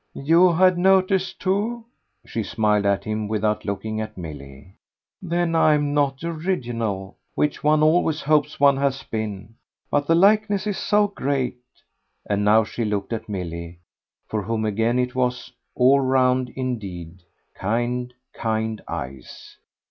"YOU had noticed too?" she smiled at him without looking at Milly. "Then I'm not original which one always hopes one has been. But the likeness is so great." And now she looked at Milly for whom again it was, all round indeed, kind, kind eyes.